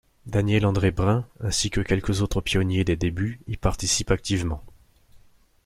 Daniel André Brun, ainsi que quelques autres pionniers des débuts, y participe activement.